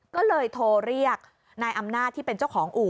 ก็เลยโทรเรียกนายอำนาจที่เป็นเจ้าของอู่